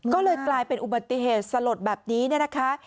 ก็เลยกลายเป็นอุบัติเหตุสลดแบบนี้เนี่ยนะคะ